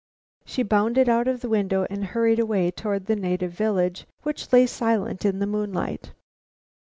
She bounded out of the window and hurried away toward the native village, which lay silent in the moonlight.